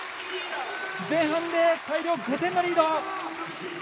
前半で大量５点リード！